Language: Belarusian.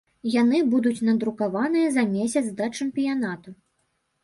Яны будуць надрукаваныя за месяц да чэмпіянату.